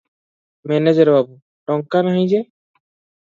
Manager ବାବୁ, "ଟଙ୍କା ନାହିଁ ଯେ ।"